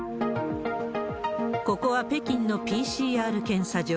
ここは北京のＰＣＲ検査場。